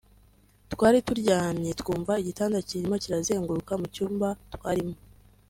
twari turyamye twumva igitanda kirimo kirazenguruka mu cyumba twarimo